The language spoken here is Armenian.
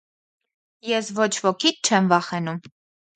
- Ես ոչ-ոքից չեմ վախենում…